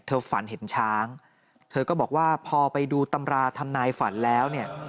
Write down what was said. ฝันเห็นช้างเธอก็บอกว่าพอไปดูตำราทำนายฝันแล้วเนี่ย